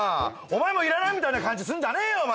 お前もいらないみたいな感じすんじゃねえよ！